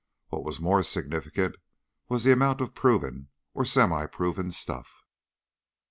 What was more significant was the amount of proven or semiproven stuff.